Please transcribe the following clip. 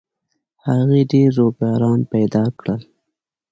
هغې ډېر رویباران پیدا کړل